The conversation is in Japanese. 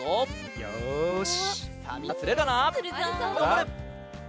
よし！